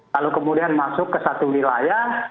lalu kemudian masuk ke satu wilayah